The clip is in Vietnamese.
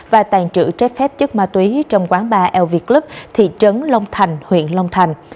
và tàn trữ trái phép chất ma túy trong quán bar việt club thị trấn long thành huyện long thành